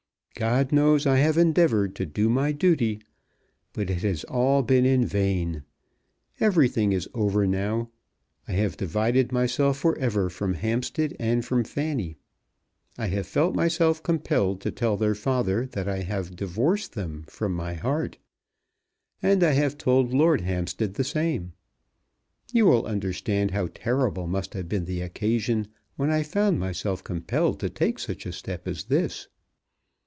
God knows I have endeavoured to do my duty. But it has all been in vain. Everything is over now. I have divided myself for ever from Hampstead and from Fanny. I have felt myself compelled to tell their father that I have divorced them from my heart; and I have told Lord Hampstead the same. You will understand how terrible must have been the occasion when I found myself compelled to take such a step as this.